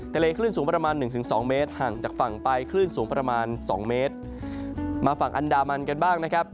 ทะเลขลื่นสูงประมาณ๑๒เมตรหั่งจากฝั่งไปขลื่นสูงประมาณ๒เมตร